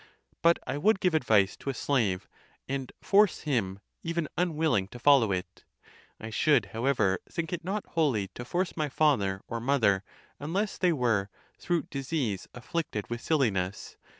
But I would give advice to a slave, and force him, even unwilling, (to follow it.) I should however think it not holy to force my father or mother, unless they were, through dis ease, afflicted with silliness.